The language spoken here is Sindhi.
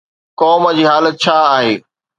قوم جي حالت ڇا آهي؟